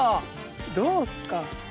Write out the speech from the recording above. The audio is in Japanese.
どうですか？